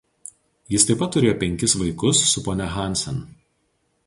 Jis taip pat turėjo penkis vaikus su ponia Hansen.